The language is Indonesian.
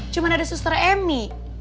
cuman ada suster emi